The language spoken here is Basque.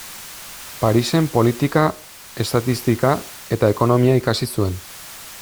Parisen politika, estatistika eta ekonomia ikasi zuen.